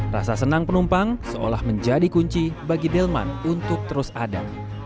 rasa senang penumpang seolah menjadi kunci bagi delman untuk terus ada